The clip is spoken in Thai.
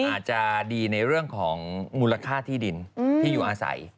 อาจจะดีในเรื่องของมูลค่าที่ดินที่อยู่อาศัย